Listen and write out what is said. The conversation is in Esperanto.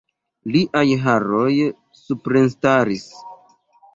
Liaj haroj suprenstaris.